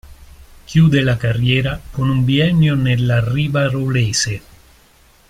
Chiude la carriera con un biennio nella Rivarolese.